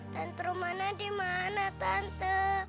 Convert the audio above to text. tante rumana dimana tante